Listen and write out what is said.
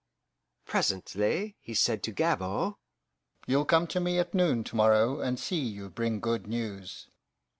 Presently he said to Gabord, "You'll come to me at noon to morrow, and see you bring good news.